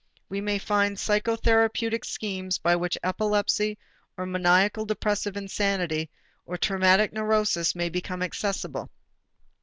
We may find psychotherapeutic schemes by which epilepsy or maniacal depressive insanity or traumatic neuroses may become accessible.